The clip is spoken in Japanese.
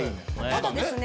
ただですね